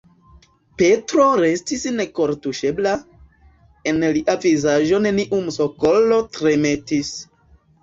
Petro restis nekortuŝebla: en lia vizaĝo neniu muskolo tremetis.